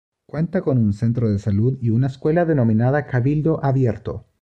Cuenta con un centro de salud y una escuela denominada Cabildo Abierto.